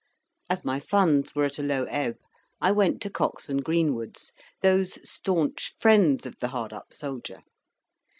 As my funds were at a low ebb, I went to Cox and Greenwood's, those staunch friends of the hard up soldier.